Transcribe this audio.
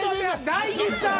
大吉さん！